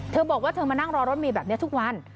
เธอบอกว่าเธอมานั่งรอรถเมย์แบบนี้ทุกวัน